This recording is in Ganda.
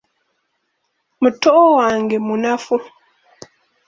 Muto Wange munafu.